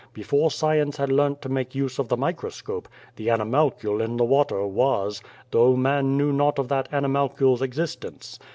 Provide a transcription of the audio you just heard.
Before science had learnt to make use of the microscope, the animalcule in the water was, though man knew not of that animalcule's existence.